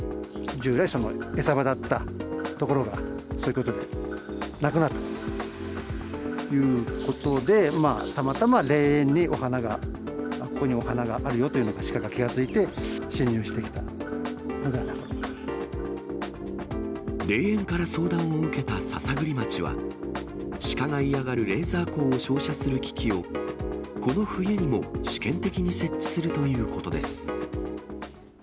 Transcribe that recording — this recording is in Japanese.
従来、餌場だった所がそういうことでなくなったということで、たまたま霊園にお花が、ここにお花があるよというのが、鹿が気が付いて、侵入してきたの霊園から相談を受けた篠栗町は、鹿が嫌がるレーザー光を照射する機器を、この冬にも試験的に設置するということです。